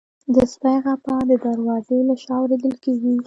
د سپي غپا د دروازې له شا اورېدل کېږي.